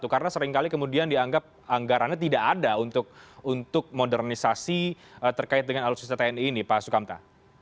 karena seringkali kemudian dianggap anggarannya tidak ada untuk modernisasi terkait dengan alutsista tni ini pak sukamta